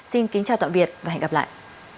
xin kính chào tạm biệt và hẹn gặp lại